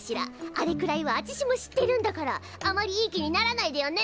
あれくらいはあちしも知ってるんだからあまりいい気にならないでよね。